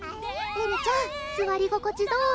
エルちゃんすわり心地どう？